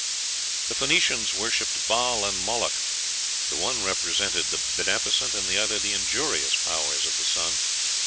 The Phoenicians worshipped Baal and Moloch; the one represented the beneficent, and the other the injurious powers of the sun.